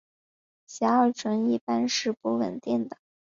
偕二醇一般是不稳定的。